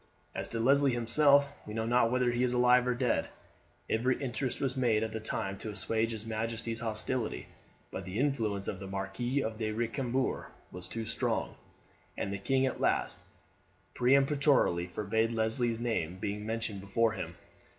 As to Leslie himself, we know not whether he be alive or dead. Every interest was made at the time to assuage his majesty's hostility, but the influence of the Marquis of Recambours was too strong, and the king at last peremptorily forbade Leslie's name being mentioned before him.